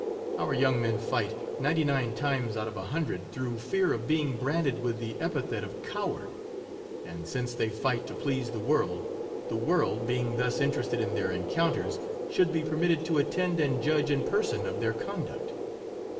Our young men fight, ninety nine times out of a hundred, through fear of being branded with the epi thet of coward; and since they fight to please the world, the world, being thus in terested in their encounters, should be per mitted to attend and judge in person of their conduct.